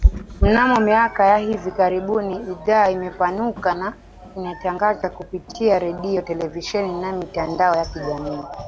Mnamo miaka ya hivi karibuni idhaa imepanuka na inatangaza kupitia redio, televisheni na mitandao ya kijamii